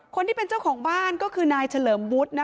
คนที่เป็นเจ้าของบ้านก็คือนายเฉลิมวุฒิ